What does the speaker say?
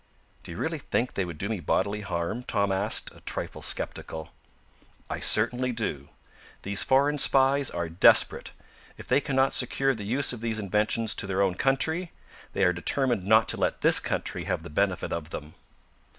"Do you really think they would do me bodily harm?" Tom asked, a trifle skeptical. "I certainly do. These foreign spies are desperate. If they cannot secure the use of these inventions to their own country, they are determined not to let this country have the benefit of them."